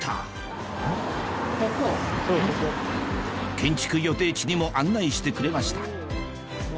建築予定地にも案内してくれました